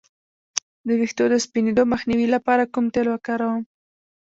د ویښتو د سپینیدو مخنیوي لپاره کوم تېل وکاروم؟